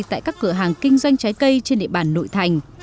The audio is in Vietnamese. tại các cửa hàng kinh doanh trái cây trên địa bàn nội thành